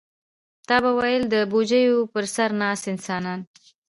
تا به ویل د بوجیو پر سر ناست انسانان.